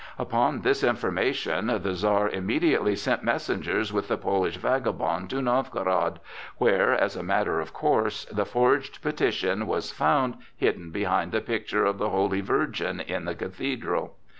Upon this information the Czar immediately sent messengers with the Polish vagabond to Novgorod, where, as a matter of course, the forged petition was found hidden behind the picture of the Holy Virgin in the cathedral.